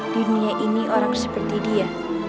di dunia ini orang seperti dia